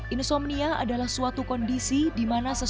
insomnia adalah suatu kondisi di mana seseorang mengalami insomnia